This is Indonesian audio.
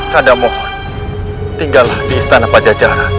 kanda mohon tinggallah di istana pajajara